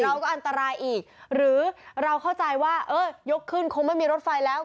เราก็อันตรายอีกหรือเราเข้าใจว่าเออยกขึ้นคงไม่มีรถไฟแล้ว